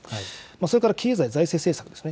それから経済財政政策ですね。